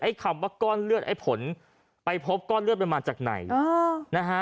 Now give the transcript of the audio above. ไอ้คำว่าก้อนเลือดไอ้ผลไปพบก้อนเลือดประมาณจากไหน